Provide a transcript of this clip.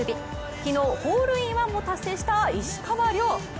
昨日ホールインワンを達成した石川遼。